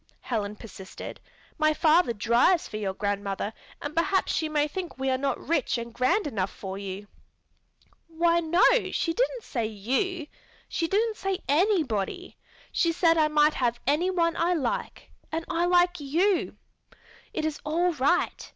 Helen persisted. "My father drives for your grandmother and perhaps she may think we are not rich and grand enough for you." "Why, no, she didn't say you. She didn't say _any_body. She said I might have anyone I like, and I like you. It is all right.